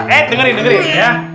eh dengerin dengerin ya